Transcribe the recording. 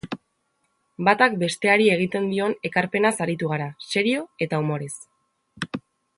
Batak besteari egiten dion ekarpenaz aritu gara, serio eta umorez.